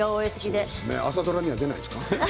朝ドラには出ないんですか。